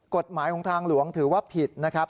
กฎหมายของทางหลวงถือว่าผิดนะครับ